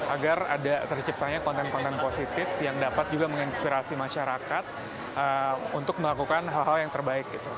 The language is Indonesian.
agar ada terciptanya konten konten positif yang dapat juga menginspirasi masyarakat untuk melakukan hal hal yang terbaik